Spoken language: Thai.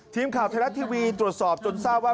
ทีมข่าวไทยรัฐทีวีตรวจสอบจนทราบว่า